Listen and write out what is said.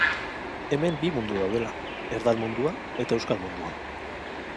Hemen bi mundu daudela: erdal mundua eta euskal mundua.